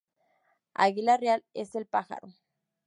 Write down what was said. Águila real es el pájaro.